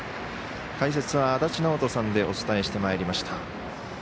解説は足達尚人さんでお伝えしてまいりました。